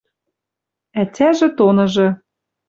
Ӓтяжӹ тоныжы